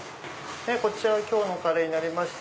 こちら今日のカレーになりまして。